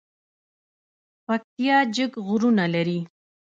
پکتیا جګ غرونه لري